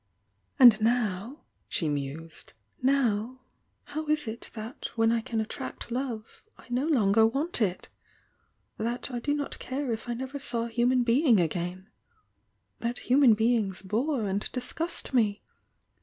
"Aid now," she mused, "now, how is it tiiat when I can attract love, I no longer want it? Ihat I do not care if I never saw a human bemg a^. That human beings bore and disgust me?